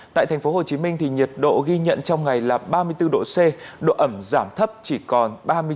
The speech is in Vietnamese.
tại tp hcm nhiệt độ ghi nhận trong ngày là ba mươi bốn độ c độ ẩm giảm thấp chỉ còn ba mươi năm